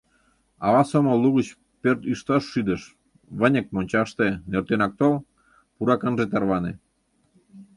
Ава сомыл лугыч пӧрт ӱшташ шӱдыш: «Выньык — мончаште, нӧртенак тол, пурак ынже тарване».